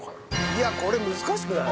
いやこれ難しくない？